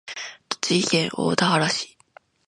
栃木県大田原市